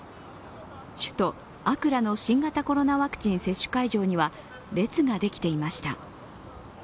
首都アクラの新型コロナワクチン接種会場には列ができていました。